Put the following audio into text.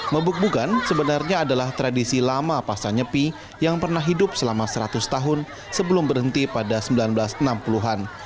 mebuk bugan sebenarnya adalah tradisi lama pasca nyepi yang pernah hidup selama seratus tahun sebelum berhenti pada seribu sembilan ratus enam puluh an